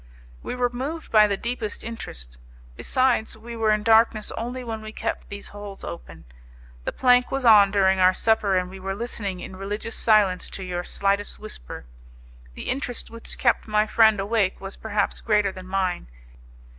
"We were moved by the deepest interest: besides, we were in darkness only when we kept these holes open. The plank was on during our supper, and we were listening in religious silence to your slightest whisper. The interest which kept my friend awake was perhaps greater than mine.